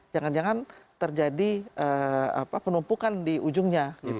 menjadi penumpukan di ujungnya